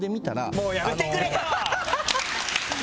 もうやめてくれよ！